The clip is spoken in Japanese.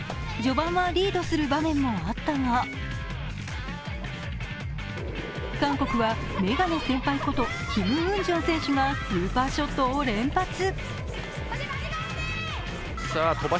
序盤はリードする場面もあったが韓国はメガネ先輩キム・ウンジョン選手がスーパーショットを連発。